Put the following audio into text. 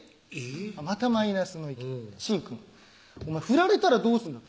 「振られたらどうすんだ」